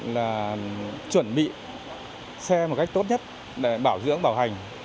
là chuẩn bị xe một cách tốt nhất để bảo dưỡng bảo hành